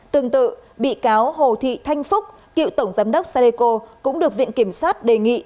tương tự bị cáo hồ thị thanh phúc cựu tổng giám đốc sareko cũng được viện kiểm sát đề nghị